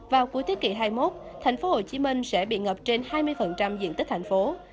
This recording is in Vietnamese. vào cuối thế kỷ hai mươi một tp hcm sẽ bị ngập trên hai mươi diện tích thành phố